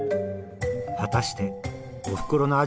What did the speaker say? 果たしておふくろの味